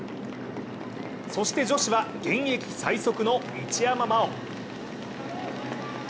そして女子は、現役最速の一山麻緒。